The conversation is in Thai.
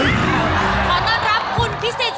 มาเยือนทินกระวีและสวัสดี